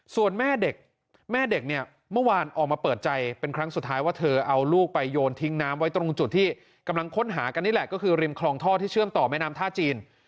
ส่วนแม่เด็กแม่เด็กเนี่ยเมื่อวานออกมาเปิดใจเป็นครั้งสุดท้ายว่าเธอเอาลูกไปโยนทิ้งน้ำไว้ตรงจุดที่กำลังค้นหากันนี่แหละก็คือริมคลองท่อที่เชื่อมต่อแม่น้ำท่าจีน